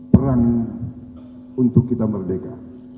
perang untuk kita merdeka